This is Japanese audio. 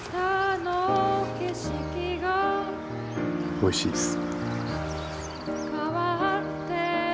おいしいっす。